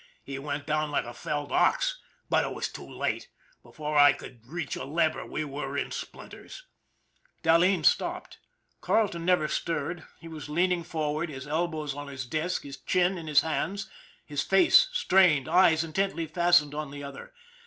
He went down like a felled ox but it was too late. Be fore I could reach a lever we were in splinters." Dahleen stopped. Carleton never stirred, he was leaning forward, his elbows on his desk, his chin in his hands, his face strained, eyes intently fastened on the other.